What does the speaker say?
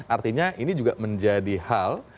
artinya ini juga menjadi hal